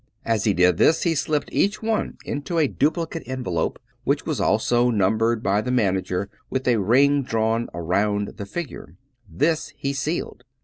As he did this he slipped each one into a duplicate envelope, which was also numbered by the man ager with a ring drawn aroimd the figure. This he sealed.